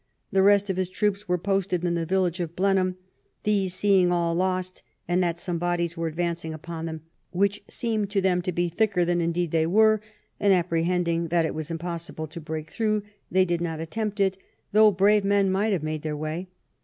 The rest of his troops were posted in the village of Blenheim; these, seeing all lost, and that some bodies were advancing upon them, which seemed to them to be thicker than indeed they were, and ap prehending that it was impossible to break through, they did not attempt it, though brave men might have made their way.